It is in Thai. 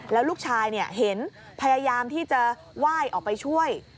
แล้วลูกชายเห็นพยายามที่จะไหว้ออกไปช่วย